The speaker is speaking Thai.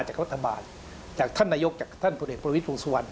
จากรัฐบาลจากท่านนายกจากท่านผู้เด็กประวัติภูมิสวรรค์